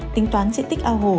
tính toán diện tích ao hồ